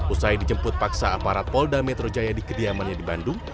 usai dijemput paksa aparat polda metro jaya di kediamannya di bandung